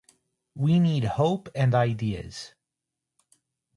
We need hope and ideas.